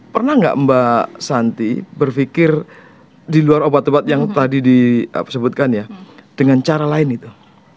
pernah nggak mbak santi berpikir di luar obat obat yang tadi disebutkan ya dengan cara lain itu